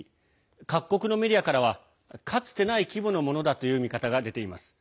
各国のメディアからはかつてない規模のものだという見方が出ています。